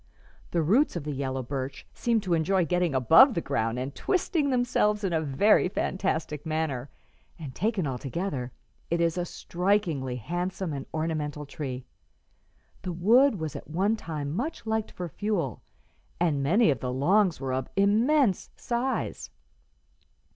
The roots of the yellow birch seem to enjoy getting above the ground and twisting themselves in a very fantastic manner, and, taken altogether, it is a strikingly handsome and ornamental tree. The wood was at one time much liked for fuel, and many of the logs were of immense size."